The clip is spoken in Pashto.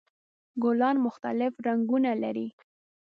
ګلان مختلف رنګونه لري.